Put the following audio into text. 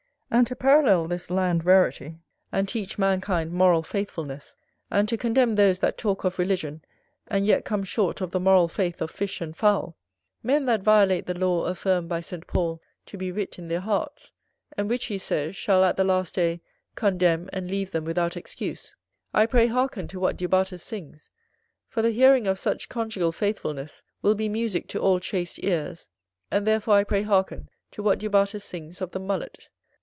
And to parallel this land rarity, and teach mankind moral faithfulness, and to condemn those that talk of religion, and yet come short of the moral faith of fish and fowl, men that violate the law affirmed by St. Paul to be writ in their hearts, and which, he says, shall at the Last Day condemn and leave them without excuse I pray hearken to what Du Bartas sings, for the hearing of such conjugal faithfulness will be musick to all chaste ears, and therefore I pray hearken to what Du Bartas sings of the Mullet.